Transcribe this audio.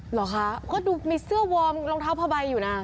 หรอค่ะเพราะดูมีเสื้อวอร์มรองเท้าพระบัยอยู่น่ะ